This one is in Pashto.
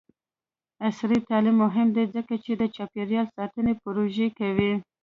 عصري تعلیم مهم دی ځکه چې د چاپیریال ساتنې پروژې کوي.